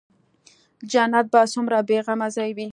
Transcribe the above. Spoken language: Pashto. جنت به څومره بې غمه ځاى وي.